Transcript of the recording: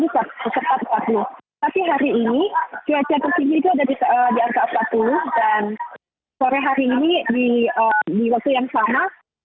tapi hari ini cuaca tertinggi itu ada di angka empat puluh dan sore hari ini di waktu yang sama